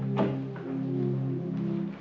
berjumpa dengan sona